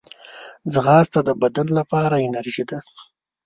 ځغاسته د بدن لپاره انرژي ده